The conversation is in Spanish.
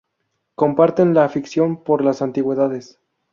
Comparten la afición por las antigüedades.